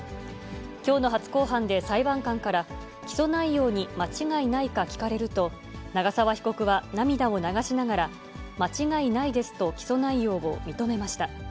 きょうの初公判で裁判官から、起訴内容に間違いないか聞かれると、長沢被告は涙を流しながら、間違いないですと起訴内容を認めました。